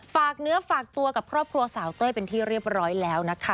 ฝากเนื้อฝากตัวกับครอบครัวสาวเต้ยเป็นที่เรียบร้อยแล้วนะคะ